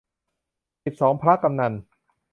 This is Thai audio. สิบสองพระกำนัล